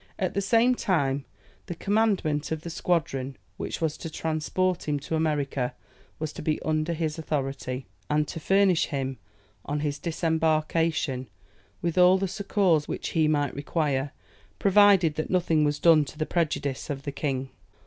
At the same time the commandant of the squadron which was to transport him to America, was to be under his authority, and to furnish him on his disembarkation with all the succours which he might require, provided that nothing was done to the prejudice of the king.